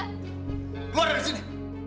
keluar dari sini